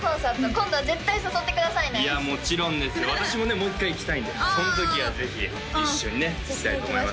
今度は絶対誘ってくださいねいやもちろんです私もねもう一回行きたいんでその時はぜひ一緒にね行きたいと思います